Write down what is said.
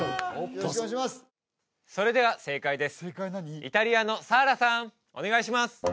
どうぞそれでは正解です